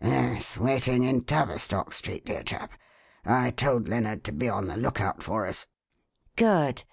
"Yes, waiting in Tavistock Street, dear chap. I told Lennard to be on the lookout for us." "Good!